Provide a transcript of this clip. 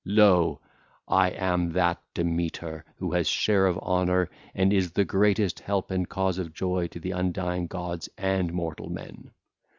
Lo! I am that Demeter who has share of honour and is the greatest help and cause of joy to the undying gods and mortal men.